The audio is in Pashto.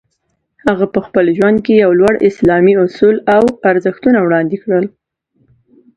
هغه په خپل ژوند کې یو لوړ اسلامي اصول او ارزښتونه وړاندې کړل.